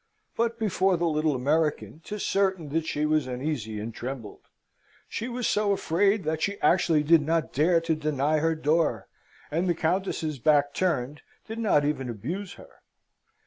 But, before the little American, 'tis certain that she was uneasy and trembled. She was so afraid, that she actually did not dare to deny her door; and, the Countess's back turned, did not even abuse her.